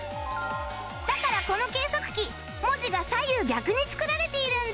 だからこの計測器文字が左右逆に作られているんだ